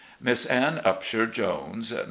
"Miss Ann Upshur Jones, "No.